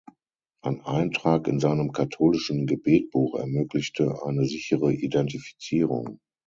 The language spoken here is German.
Ein Eintrag in seinem katholischen Gebetbuch ermöglichte eine sichere Identifizierung.